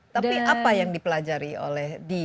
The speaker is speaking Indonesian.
tapi apa yang dipelajari oleh di